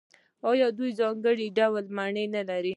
آیا دوی ځانګړي ډول مڼې نلري؟